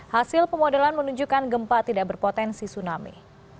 hasil pemodelan menunjukkan gempa tidak berpotensi tsunami